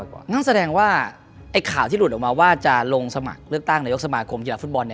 เพราะฟุตบอลมากกว่า